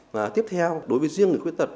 và tiếp theo đối với riêng người khuyết tật